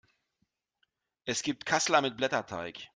Es gibt Kassler mit Blätterteig.